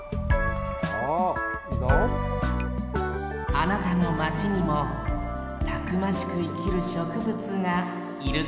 あなたのマチにもたくましくいきるしょくぶつがいるかもしれませんよ